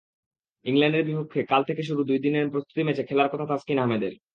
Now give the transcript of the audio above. ইংল্যান্ডের বিপক্ষে কাল থেকে শুরু দুই দিনের প্রস্তুতি ম্যাচে খেলার কথা তাসকিন আহমেদের।